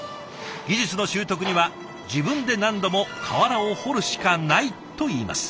技術の習得には自分で何度も瓦を彫るしかないといいます。